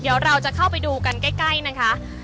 เดี๋ยวเราจะเข้าไปดูกันใกล้นะคะ